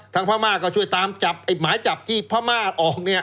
พม่าก็ช่วยตามจับหมายจับที่พม่าออก